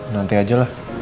nanti aja lah